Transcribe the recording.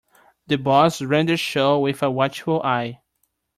The boss ran the show with a watchful eye.